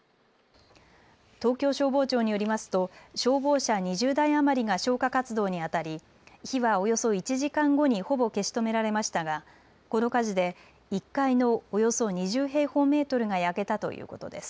東京消防庁によりますと消防車２０台余りが消火活動にあたり火はおよそ１時間後にほぼ消し止められましたがこの火事で１階のおよそ２０平方メートルが焼けたということです。